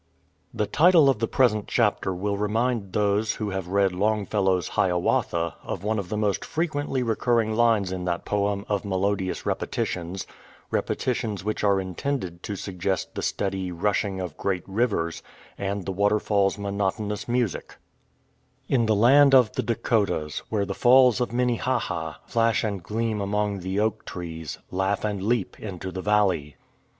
THE title of the present chapter will remind those who have read Longfellow's Hiawatha of one of the most frequently recurring lines in that poem of melodious repetitions — repetitions which are intended to suggest the steady "rushing of great rivers,^ and the waterfalFs monotonous music In the land of the Dacotahs^ Where the Falls of Minnehaha Flash and gleam among the oak trees, Laugh and leap into the valley.